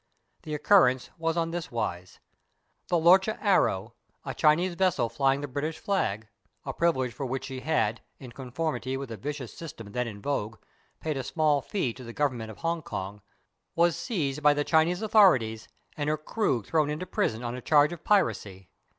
The occurrence was on this wise. The lorcha Arrow, a Chinese vessel flying the British flag, — a priv ilege for which she had, in conformity with a vicious sys tem then in vogue, paid a small fee to the Government of Hong Kong, — was seized by the Chinese authorities, ^ Rounsevelle Wildman. 198 HOW THE "ARROW WAR" BEGAN and her crew thrown into prison on a charge of piracy.